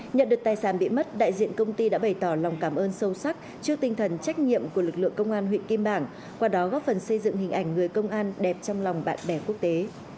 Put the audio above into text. nhận được tài sản bị mất đại diện công ty đã bày tỏ lòng cảm ơn sâu sắc trước tinh thần trách nhiệm của lực lượng công an huyện kim bảng qua đó góp phần xây dựng hình ảnh người công an đẹp trong lòng bạn bè quốc tế